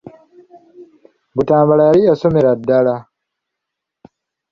Butambala yali yasomera ddala.